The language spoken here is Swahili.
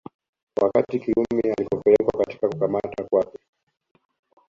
Wakati Kirumi alipopelekwa katika kukamata kwake